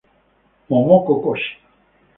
Momoko Kōchi